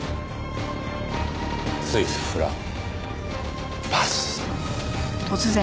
スイスフランバス。